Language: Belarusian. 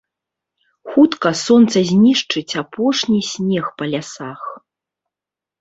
Хутка сонца знішчыць апошні снег па лясах.